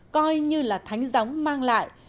coi như là thánh gióng mang lại